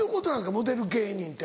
モデル芸人って。